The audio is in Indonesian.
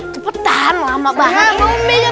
cepetan lama banget